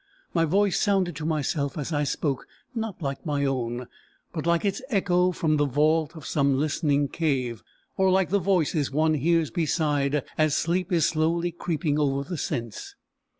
My voice sounded to myself as I spoke, not like my own, but like its echo from the vault of some listening cave, or like the voices one hears beside as sleep is slowly creeping over the sense.